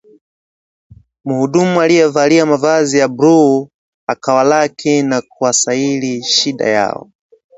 Muhudumu aliyevalia mavazi ya bluu akawalaki na kuwasaili shida yao